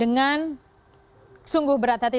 dengan sungguh berat hati